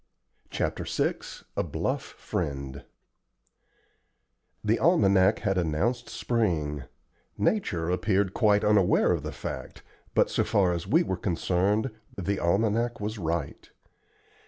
CHAPTER VI A BLUFF FRIEND The almanac had announced spring; nature appeared quite unaware of the fact, but, so far as we were concerned, the almanac was right.